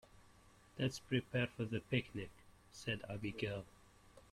"Let's prepare for the picnic!", said Abigail.